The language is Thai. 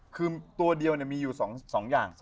คือตัวเดียวมีอยู่๒อย่าง